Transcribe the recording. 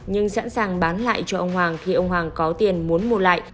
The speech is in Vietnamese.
nhưng sẵn sàng bán lại cho ông hoàng khi ông hoàng có tiền muốn mua lại